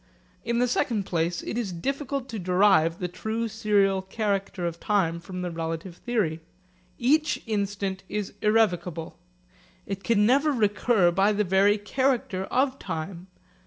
In the second place it is difficult to derive the true serial character of time from the relative theory. Each instant is irrevocable. It can never recur by the very character of time.